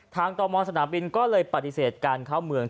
ตมสนามบินก็เลยปฏิเสธการเข้าเมือง